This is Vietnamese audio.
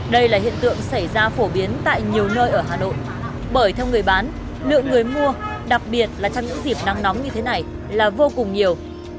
đây là hiện tượng xảy ra phổ biến tại nhiều nơi ở hà nội bởi theo người bán lượng người mua đặc biệt là trong những dịp nắng nóng như thế này là vô cùng nhiều